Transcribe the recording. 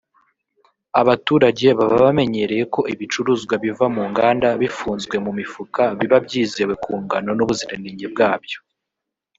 Abaturage baba bamenyereye ko ibicuruzwa biva mu nganda bifunzwe mu mifuka biba byizewe ku ngano n’ubuziranenge bwabyo